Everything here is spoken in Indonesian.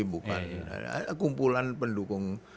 bukan kumpulan pendukung